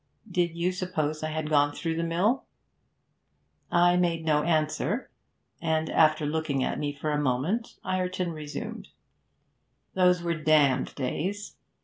Did you suppose I had gone through the mill?' I made no answer, and, after looking at me for a moment, Ireton resumed: 'Those were damned days!